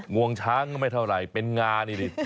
งวงช้างก็ไม่เท่าไหร่เป็นงานี่ดิ